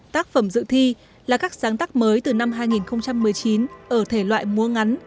tác phẩm dự thi là các sáng tác mới từ năm hai nghìn một mươi chín ở thể loại múa ngắn